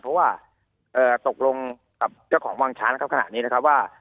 เพราะว่าตกลงกับเจ้าของวางช้างครับขณะนี้นะครับว่า